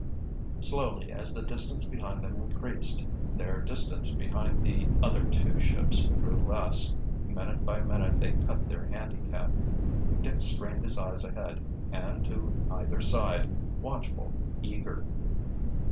Slowly, as the distance behind them increased, their distance behind the other two ships grew less. Minute by minute they cut their handicap. Dick strained his eyes ahead, and to either side, watchful, eager.